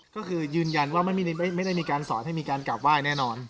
ก็คือยืนยันว่าไม่ได้มีการสอนให้มีการกลับไหว้แน่นอน